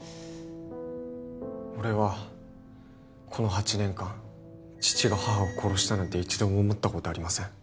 俺はこの８年間父が母を殺したなんて一度も思ったことありません